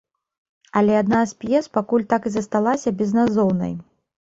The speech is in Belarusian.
Але адна з п'ес пакуль так і засталася безназоўнай.